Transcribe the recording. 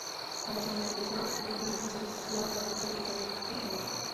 সংবাদ সম্মেলনটি করেছিল ডিপিডিসি বিদ্যুৎ গ্রাহক স্বার্থরক্ষা পরিষদ নামের একটি সংগঠন।